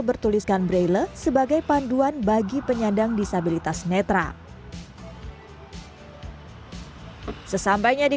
bertuliskan braille sebagai panduan bagi penyandang disabilitas netra sesampainya di